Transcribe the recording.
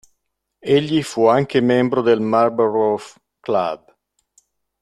Egli fu anche membro del Marlborough Club.